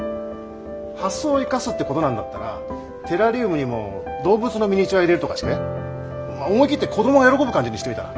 発想を生かすってことなんだったらテラリウムにも動物のミニチュア入れるとかして思い切って子どもが喜ぶ感じにしてみたら？